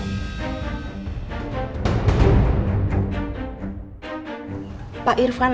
masa tiet encik zwar kemana ya